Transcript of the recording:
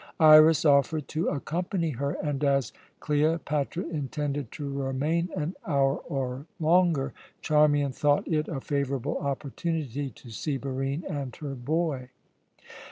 Iras offered to accompany her, and as Cleopatra intended to remain an hour or longer, Charmian thought it a favourable opportunity to see Barine and her boy.